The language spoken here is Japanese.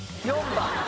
４番。